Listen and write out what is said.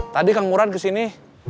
tadi kang murad kesini